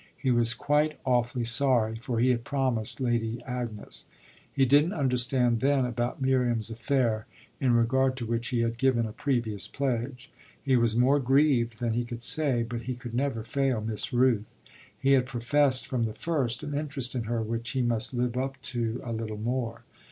He was quite awfully sorry, for he had promised Lady Agnes: he didn't understand then about Miriam's affair, in regard to which he had given a previous pledge. He was more grieved than he could say, but he could never fail Miss Rooth: he had professed from the first an interest in her which he must live up to a little more.